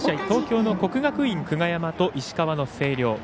東京の国学院久我山と石川の星稜。